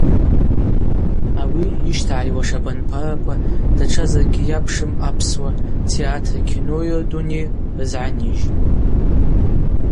Ауи йыщтагӏайуаш абанпараква датша закӏы йапшым апсуа театри акинои рдуней рызгӏанижьтӏ.